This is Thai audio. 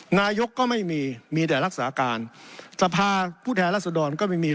นายกก็ไม่มีมีแต่รักษาการสภาผู้แทนรัศดรก็ไม่มี